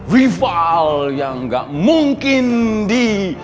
rival yang gak mungkin di